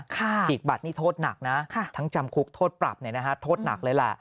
ฉีกบัตรนี่โทษหนักนะทั้งจำคุกโทษปรับโทษหนักเลยแหละ